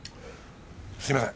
すみません。